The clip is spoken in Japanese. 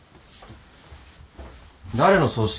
誰の葬式？